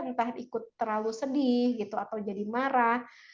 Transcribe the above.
entah ikut terlalu sedih gitu atau jadi marah